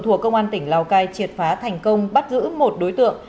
thuộc công an tỉnh lào cai triệt phá thành công bắt giữ một đối tượng